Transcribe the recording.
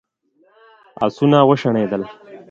آسونه وشڼېدل.